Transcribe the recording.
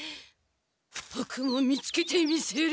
ボクも見つけてみせる！